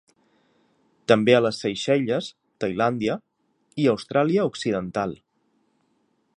També a les Seychelles, Tailàndia i Austràlia Occidental.